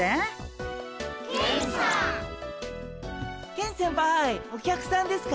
ケン先輩お客さんですか？